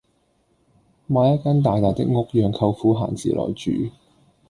買一間大大的屋讓舅父閒時來住